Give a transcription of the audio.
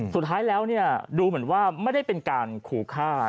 สุดท้ายแล้วดูเหมือนว่าไม่ได้เป็นการขู่ฆ่า